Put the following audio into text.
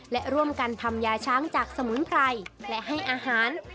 และร่วมกันทำยาช้างจากสมุนไพรและให้อาหาร